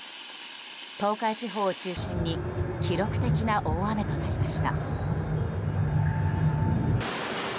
東海地方を中心に記録的な大雨となりました。